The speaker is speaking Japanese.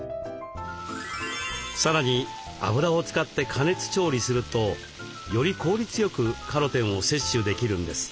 さらに油を使って加熱調理するとより効率よくカロテンを摂取できるんです。